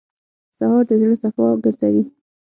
سهار د زړه صفا ګرځوي.